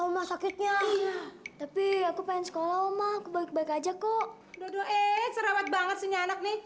ke sekolah sakitnya tapi aku pengen sekolah omah kebalik balik aja kok serawat banget senyanyi